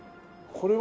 これは？